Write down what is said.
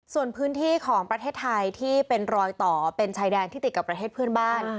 ส่วนพื้นที่ของประเทศไทยที่เป็นรอยต่อเป็นชายแดนที่ติดกับประเทศเพื่อนบ้าน